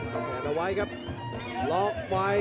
เปิดเอาไว้ครับล็อกไว้